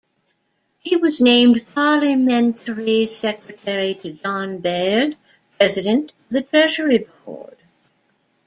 He was named Parliamentary secretary to John Baird, President of the Treasury Board.